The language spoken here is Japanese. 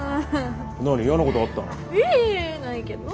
いえいえいえないけど。